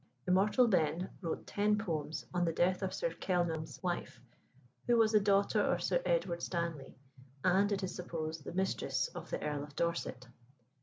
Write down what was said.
"Immortal Ben" wrote ten poems on the death of Sir Kenelm's wife, who was the daughter of Sir Edward Stanley, and, it is supposed, the mistress of the Earl of Dorset.